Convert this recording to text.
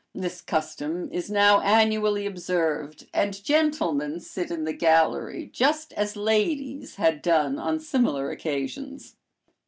This custom is now annually observed, and gentlemen sit in the gallery just as ladies had done on similar occasions.